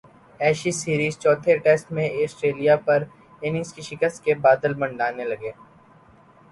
Ashes series چوتھے test میں Australia پر اننگز کی شکست کے بادل منڈلانے لگے